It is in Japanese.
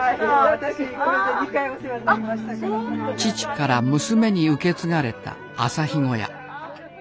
父から娘に受け継がれた朝日小屋。